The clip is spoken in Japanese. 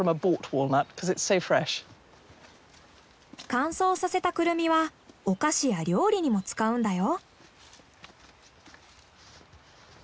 乾燥させたクルミはお菓子や料理にも使うんだよ。